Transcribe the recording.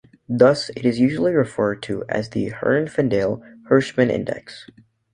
Thus, it is usually referred to as the Herfindahl-Hirschman index.